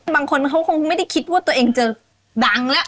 บางคนเขาคงไม่ได้คิดว่าตัวเองจะดังแล้ว